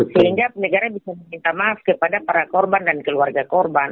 sehingga negara bisa meminta maaf kepada para korban dan keluarga korban